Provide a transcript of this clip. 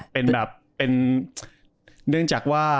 เป็นแบบเนื่องจากว่า